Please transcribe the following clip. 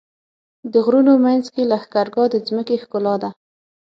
د غرونو منځ کې لښکرګاه د ځمکې ښکلا ده.